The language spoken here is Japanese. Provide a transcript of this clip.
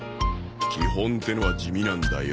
基本ってのは地味なんだよ。